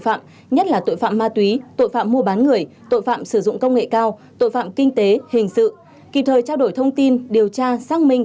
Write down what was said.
và các loại tội phạm khác phải thực hiện đồng bộ